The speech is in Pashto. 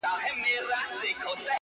• تا ولي هر څه اور ته ورکړل د یما لوري.